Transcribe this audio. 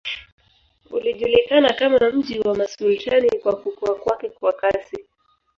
Ulijulikana kama mji wa masultani kwa kukua kwake kwa kasi